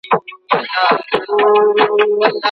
ولې ځايي واردوونکي ساختماني مواد له پاکستان څخه واردوي؟